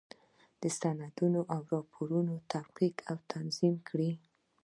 د اسنادو او راپورونو تفکیک او تنظیم وکړئ.